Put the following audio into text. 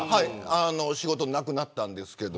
仕事なくなったんですけど。